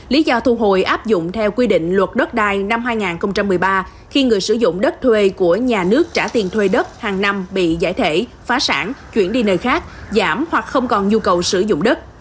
lý do thu hồi áp dụng theo quy định luật đất đai năm hai nghìn một mươi ba khi người sử dụng đất thuê của nhà nước trả tiền thuê đất hàng năm bị giải thể phá sản chuyển đi nơi khác giảm hoặc không còn nhu cầu sử dụng đất